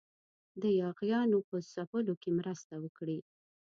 د یاغیانو په ځپلو کې مرسته وکړي.